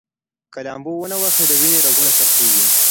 که لامبو ونه ووهئ، د وینې رګونه سختېږي.